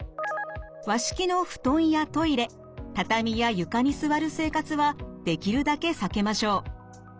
和式の布団やトイレ畳や床に座る生活はできるだけ避けましょう。